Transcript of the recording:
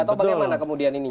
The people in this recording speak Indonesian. atau bagaimana kemudian ini